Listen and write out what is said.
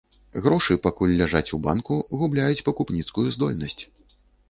Грошы, пакуль ляжаць у банку, губляюць пакупніцкую здольнасць.